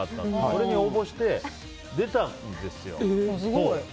それに応募して、出たんですよ。